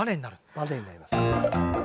バネになります。